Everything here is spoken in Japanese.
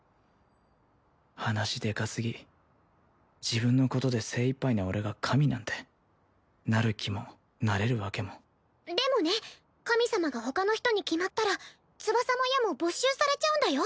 話でかすぎ自分のことで精いっぱいな俺が神なんてなる気もなれる訳もでもね神様が他の人に決まったら翼も矢も没収されちゃうんだよ